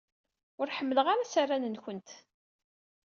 Ur ḥemmleɣ ara asaran-nwent.